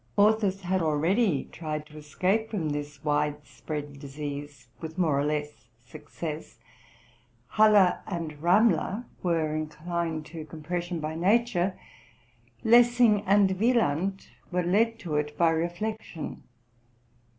Authors had already tried to escape from this wide spread disease, with more or less success. Haller and Ramler were inclined to compression by nature : Lessing and Wieland were led to it by reflection.